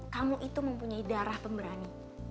kamu itu mempunyai darah pemberani